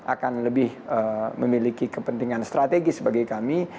akan lebih memiliki kepentingan strategis bagi kami